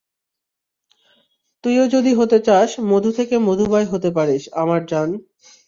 তুই ও যদি হতে চাস, মধু থেকে মধুবাই হতে পারিস, আমার জান।